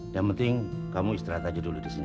yang penting kamu istirahat aja dulu di sini